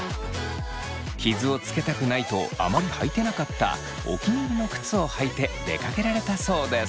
傷をつけたくないとあまり履いていなかったお気に入りの靴を履いて出かけられたそうです。